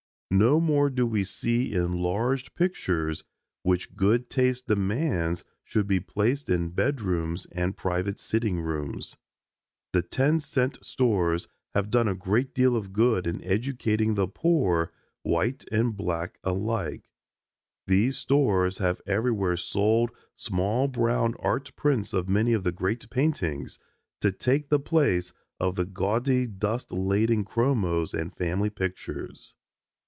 No more do we see enlarged pictures which good taste demands should be placed in bedrooms and private sitting rooms. The ten cent stores have done a great deal of good in educating the poor, white and black alike. These stores have everywhere sold small brown art prints of many of the great paintings, to take the place of the gaudy dust laden chromos and family pictures.